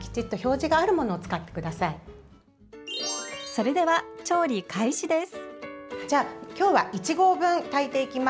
それでは、調理開始です。